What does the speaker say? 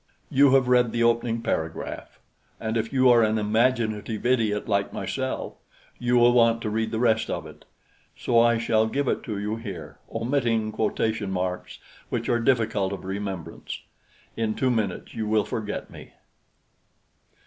You have read the opening paragraph, and if you are an imaginative idiot like myself, you will want to read the rest of it; so I shall give it to you here, omitting quotation marks which are difficult of remembrance. In two minutes you will forget me.